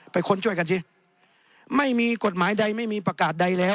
ค้นช่วยกันสิไม่มีกฎหมายใดไม่มีประกาศใดแล้ว